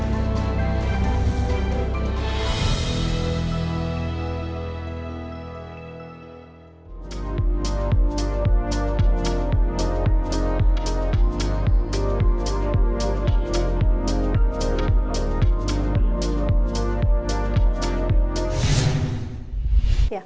ini adalah agenda saya